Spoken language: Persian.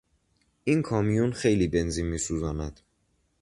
این کامیون خیلی بنزین میسوزاند.